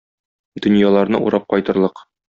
Дөньяларны урап кайтырлык!